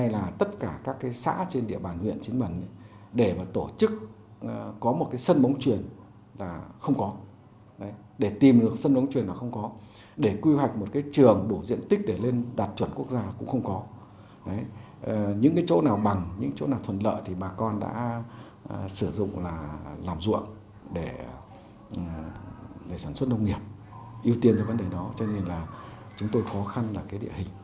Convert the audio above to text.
làm ruộng để sản xuất nông nghiệp ưu tiên cho vấn đề đó cho nên là chúng tôi khó khăn là cái địa hình